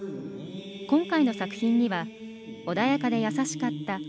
今回の作品には穏やかで優しかった